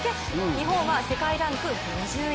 日本は世界ランク５０位。